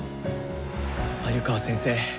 鮎川先生